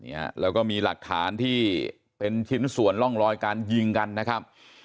เนี่ยแล้วก็มีหลักฐานที่เป็นชิ้นส่วนร่องรอยการยิงกันนะครับ